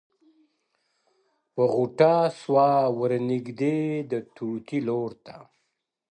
• په غوټه سوه ور نیژدي د طوطي لورته,